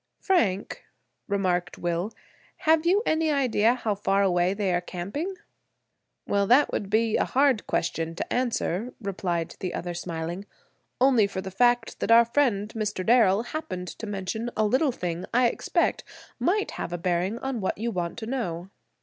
"Frank," remarked Will, "have you any idea how far away they are camping?" "Well, that would be a hard question to answer," replied the other, smiling, "only for the fact that our friend, Mr. Darrel, happened to mention a little thing I expect might have a bearing on what you want to know."